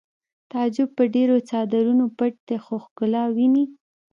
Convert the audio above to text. تعجب په ډېرو څادرونو پټ دی خو ښکلا ویني